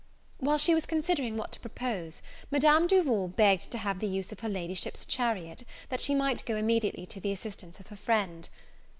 While she was considering what to propose, Madame Duval begged to have the use of her Ladyship's chariot, that she might go immediately to the assistance of her friend.